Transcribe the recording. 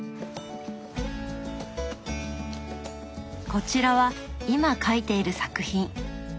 こちらは今描いている作品。